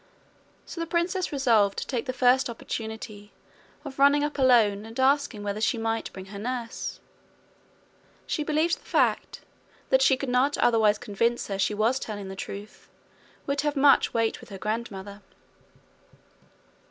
So the princess resolved to take the first opportunity of running up alone and asking whether she might bring her nurse. She believed the fact that she could not otherwise convince her she was telling the truth would have much weight with her grandmother.